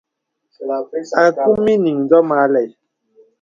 Akūm ìyìŋ ǹsɔ̀ mə àlɛ̂.